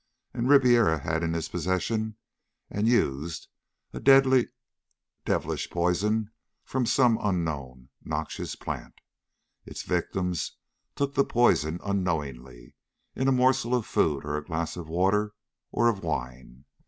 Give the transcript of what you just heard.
And Ribiera had in his possession, and used, a deadly, devilish poison from some unknown noxious plant. Its victim took the poison unknowingly, in a morsel of food or a glass of water or of wine.